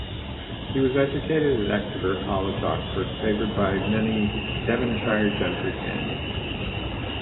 He was educated at Exeter College, Oxford, favoured by many Devonshire gentry families.